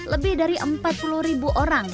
lebih dari empat puluh ribu orang